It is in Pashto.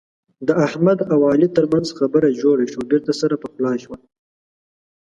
د احمد او علي ترمنځ خبره جوړه شوه. بېرته سره پخلا شول.